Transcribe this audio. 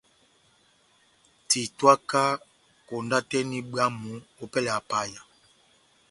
Titwaka konda tɛ́h eni bwámu opɛlɛ ya paya.